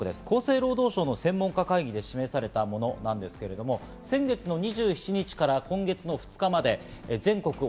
厚生労働省の専門家会議で示されたものですけど、先月２７日から今月２日まで全国